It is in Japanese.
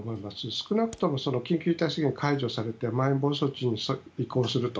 少なくとも緊急事態宣言が解除されてまん延防止等重点措置に移行すると。